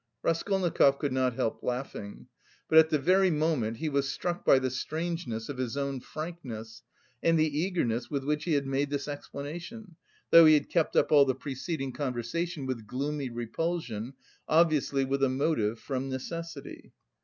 Raskolnikov could not help laughing. But at the very moment, he was struck by the strangeness of his own frankness, and the eagerness with which he had made this explanation, though he had kept up all the preceding conversation with gloomy repulsion, obviously with a motive, from necessity.